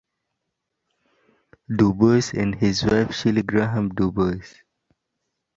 Du Bois and his wife Shirley Graham Du Bois.